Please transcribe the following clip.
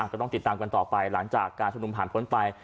ก็ต้องติดตามกันต่อไปหลังจากการชุมนุมผ่านพ้นไป